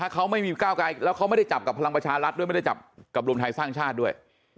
ก็จะจับกับรวมไทยสร้างชาติด้วย